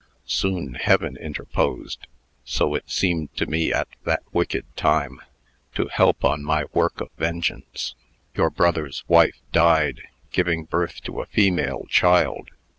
Soon, Heaven interposed so it seemed to me at that wicked time to help on my work of vengeance. Your brother's wife died, giving birth to a female child.